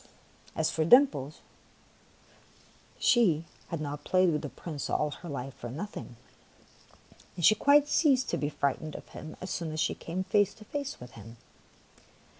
As for Dimples, she had not played with the Prince all her life for noth ing, and she quite ceased to be frightened of him as soon as she came face to face with him.